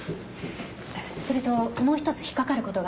それともう１つ引っかかることが。